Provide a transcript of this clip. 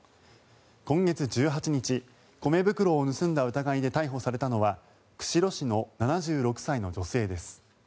今月１８日、米袋を盗んだ疑いで逮捕されたのは釧路市の７６歳の女性です。